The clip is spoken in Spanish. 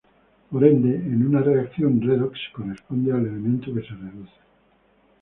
Por ende, en una reacción redox corresponde al elemento que se reduce.